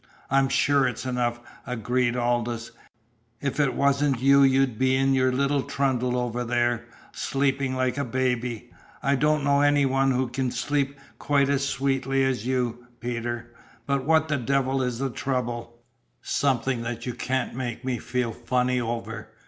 "I'm sure it's enough," agreed Aldous. "If it wasn't you'd be in your little trundle over there, sleeping like a baby. I don't know of any one who can sleep quite as sweetly as you, Peter. But what the devil is the trouble?" "Something that you can't make me feel funny over.